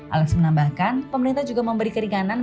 alex menambahkan pemerintah juga memberi keringanan